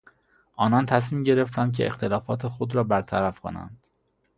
آنان تصمیم گرفتند که اختلافات خود را برطرف کنند.